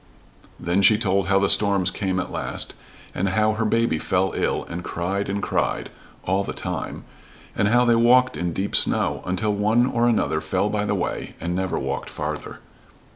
Then she told how the storms came at last, and how her baby fell ill, and cried and cried all the time and how they walked in deep snow, until one and another fell by the way and never walked farther.